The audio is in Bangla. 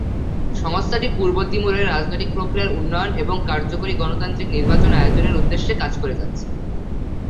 সংস্থাটি পূর্ব তিমুরে রাজনৈতিক প্রক্রিয়ার উন্নয়ন এবং কার্যকরী গণতান্ত্রিক নির্বাচন আয়োজনের উদ্দেশ্যে কাজ করে যাচ্ছে।